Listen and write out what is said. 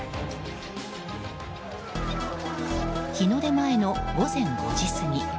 日の出前の午前５時過ぎ。